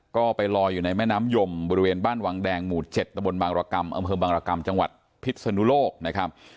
ก็ไปลอยอยู่ในแม่น้ำยมบริเวณบ้านวังแดงหมู่๗ตะบนบางรกรรมอำเภอบางรกรรมจังหวัดพิษนุโลกนะครับ